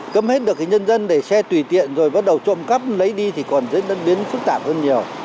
cấm hết được nhân dân để xe tùy tiện rồi bắt đầu trộm cắp lấy đi thì còn diễn biến phức tạp hơn nhiều